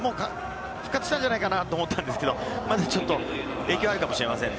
復活したんじゃないかと思ったんですけど、影響はあるかもしれません。